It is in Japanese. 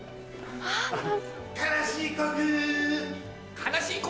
悲しい刻。